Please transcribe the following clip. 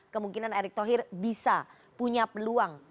kemungkinan erick thohir bisa punya peluang